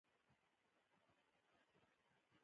د هېواد مرکز د چاپیریال د مدیریت لپاره خورا مهم دی.